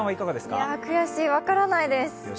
悔しい、分からないです。